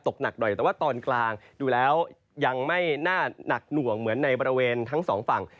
หนักหน่อยแต่ว่าตอนกลางดูแล้วยังไม่น่าหนักหน่วงเหมือนในบริเวณทั้งสองฝั่ง